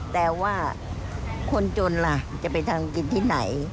แต่ว่าคนจนล่ะจะไปทำกินที่ไหน